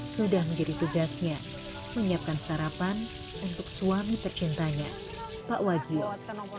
sudah menjadi tugasnya menyiapkan sarapan untuk suami tercintanya pak wagio